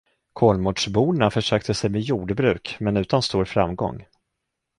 Kolmårdsborna försökte sig med jordbruk, men utan stor framgång.